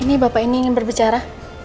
ini bapak ini ingin berbicara